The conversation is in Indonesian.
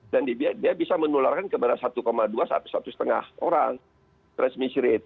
dan dia bisa menularkan ke mana satu dua atau satu lima orang transmission rate